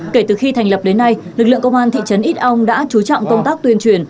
kể từ khi thành lập đến nay lực lượng công an thị trấn ít âu đã chú trọng công tác tuyên truyền